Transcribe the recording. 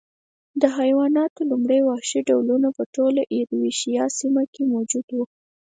د حیواناتو لومړي وحشي ډولونه په ټوله ایرویشیا سیمه کې موجود و